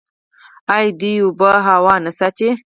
آیا دوی اوبه او هوا نه ساتي؟